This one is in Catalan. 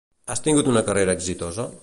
Ha tingut una carrera exitosa?